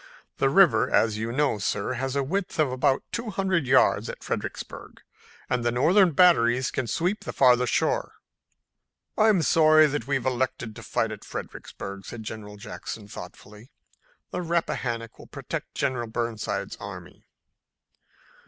The river, as you know, sir, has a width of about two hundred yards at Fredericksburg, and the Northern batteries can sweep the farther shore." "I'm sorry that we've elected to fight at Fredericksburg," said General Jackson thoughtfully. "The Rappahannock will protect General Burnside's army."